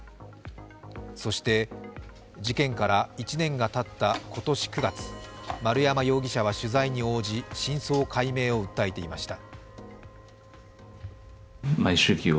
そして事件から１年がたった今年９月、丸山容疑者は取材に応じ真相解明を訴えていました。